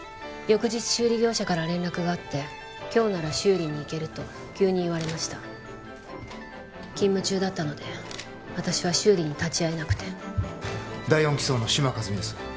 翌日修理業者から連絡があって今日なら修理に行けると急に言われました勤務中だったので私は修理に立ち会えなくて第４機捜の志摩一未です